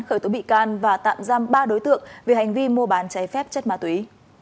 khởi tố bị can và tạm giam ba đối tượng về hành vi mua bán cháy phép chất ma túy